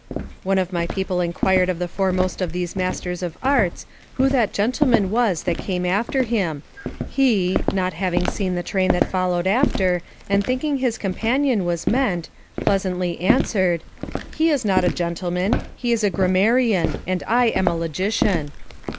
One of my people inquired of the foremost of these masters of arts, who that gentleman was that came after him; he, having not seen the train that followed after, and thinking his companion was meant, pleasantly answered, "He is not a gentleman; he is a grammarian; and I am a logician."